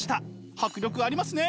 迫力ありますね！